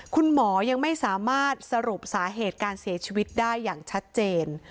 คุณหมอยังไม่สามารถสรุปสาเหตุการเสียชีวิตได้อย่างชัดเจน